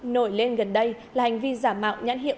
nổi lên gần đây là hành vi giả mạo nhãn hiệu